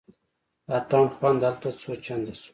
اتڼ خوند هلته څو چنده شو.